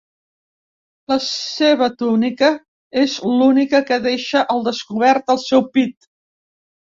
La seva túnica és l'única que deixa al descobert el seu pit.